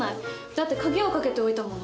だって鍵をかけておいたもの。